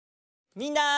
みんな。